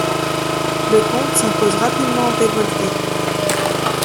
Le comte s’impose rapidement aux révoltés.